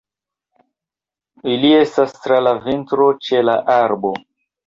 Ili estas tra la vintro ĉe la arbo.